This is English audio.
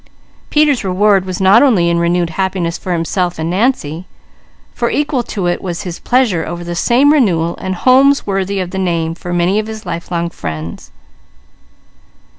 Peter's reward was not only in renewed happiness for himself and Nancy; equal to it was his pleasure over the same renewal for many of his lifelong friends.